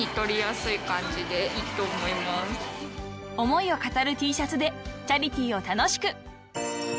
［思いを語るＴシャツでチャリティーを楽しく］